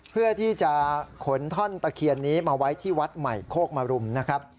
เพื่อที่จะขนท่อนตะเคียนนี้มาไว้ที่วัดใหม่โคกมรุมนะครับ